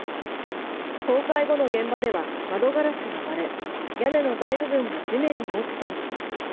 倒壊後の現場では窓ガラスが割れ屋根の大部分が地面に落ちています。